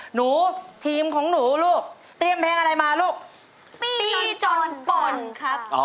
หนูทีมของหนูลูกเตรียมเพลงอะไรมาลูก